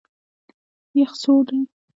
یخ سوړ دی.